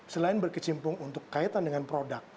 selain berkecimpung untuk kaitan dengan produk